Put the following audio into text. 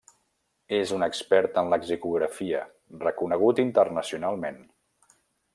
És un expert en lexicografia reconegut internacionalment.